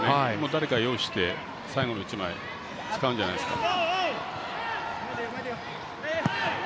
誰か用意して最後の１枚使うんじゃないですか。